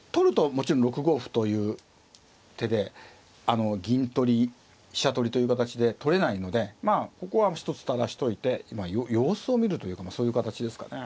もちろん６五歩という手で銀取り飛車取りという形で取れないのでまあここはひとつ垂らしといて様子を見るというかそういう形ですかね。